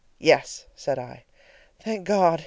"Yes," said I. "Thank God!"